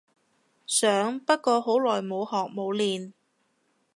想不過好耐冇學冇練